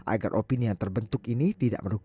agar opini yang terbentuk ini tidak merupakan